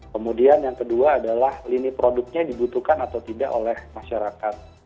kemudian yang kedua adalah lini produknya dibutuhkan atau tidak oleh masyarakat